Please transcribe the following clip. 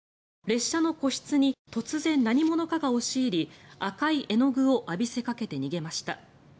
列車の個室に突然、何者かが押し入り赤い絵の具を浴びせかけて逃げました。